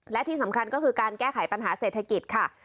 และที่สำคัญก็คือการแก้ไขปัญหาเศรษฐกิจค่ะ